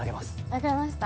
わかりました。